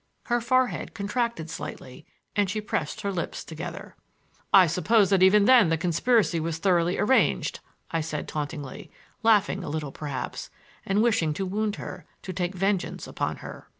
Her forehead contracted slightly and she pressed her lips together. "I suppose that even then the conspiracy was thoroughly arranged," I said tauntingly, laughing a little perhaps, and wishing to wound her, to take vengeance upon her.